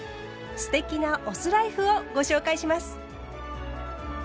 “酢テキ”なお酢ライフをご紹介します。